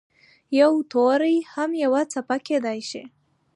یو توری هم یوه څپه کېدای شي.